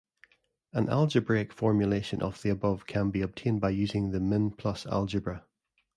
An algebraic formulation of the above can be obtained by using the min-plus algebra.